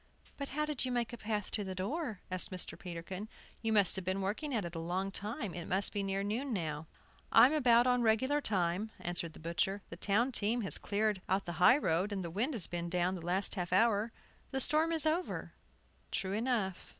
"But how did you make a path to the door?" asked Mr. Peterkin. "You must have been working at it a long time. It must be near noon now." "I'm about on regular time," answered the butcher. "The town team has cleared out the high road, and the wind has been down the last half hour. The storm is over." True enough!